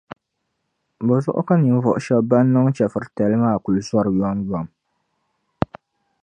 Bo zuɣu ka ninvuɣ' shεba ban niŋ chεfuritali maa kuli zɔri yomyom?